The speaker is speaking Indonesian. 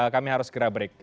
kami harus segera break